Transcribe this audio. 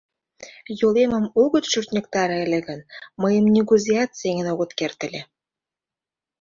— Йолемым огыт шӱртньыктаре ыле гын, мыйым нигузеат сеҥен огыт керт ыле.